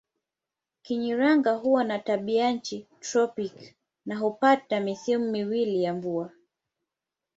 Kirinyaga huwa na tabianchi tropiki na hupata misimu miwili ya mvua.